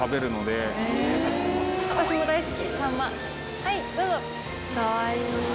はいどうぞ！